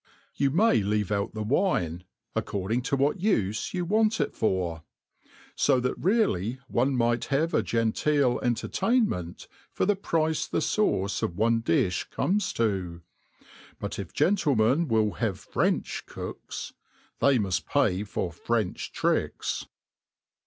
Totf may leave otH the wine^ aecerdmg to what ttfe you want it for ; fa that really one might have a genteel enter^ tainment for the price the fame of one difh comes to : but if gentlemen will have Frcach cooks ^ they muft fay for French tricks.